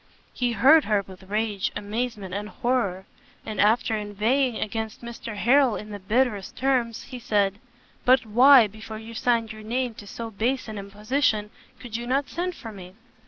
He heard her with rage, amazement, and horror: and after inveighing against Mr Harrel in the bitterest terms, he said, "But why, before you signed your name to so base an imposition, could you not send for me?"